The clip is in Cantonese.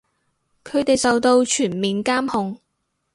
佢哋受到全面監控